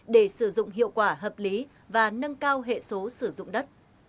để sử dụng hiệu quả hợp lý và nâng cao hệ số sử dụng đất